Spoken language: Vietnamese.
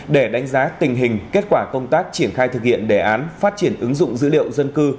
để đánh giá tình hình kết quả công tác triển khai thực hiện đề án phát triển ứng dụng dữ liệu dân cư